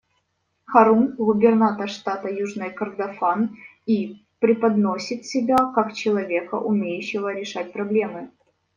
Харун — губернатор штата Южный Кордофан и преподносит себя как человека, умеющего решать проблемы.